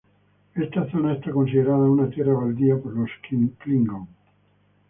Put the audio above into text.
Esta zona es considerada una tierra baldía por los klingon.